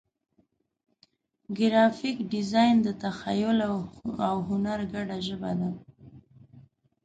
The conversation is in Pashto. ګرافیک ډیزاین د تخیل او هنر ګډه ژبه ده.